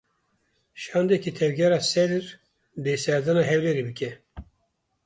Şandeke Tevgera Sedr dê serdana Hewlêrê bike.